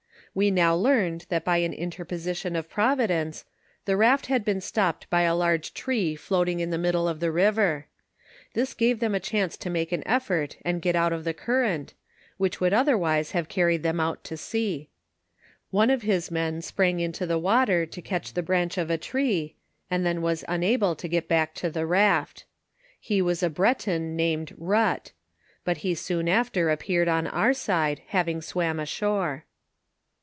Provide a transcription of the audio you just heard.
We now learned that by an interposition of Providence, the raft had been stopped by a large tree floating in the middle of the river. This gave them a chance to make an effort and get out of the current, which would otherwise have carried them out to sea. One of his men sprang into the water to catch the branch of a tree, and then was unable to get back to the raft. He wtis a Bre ton named But; but he soon after appeared on our side, having swam ashore.